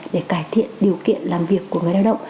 để cải thiện điều kiện làm việc của người lao động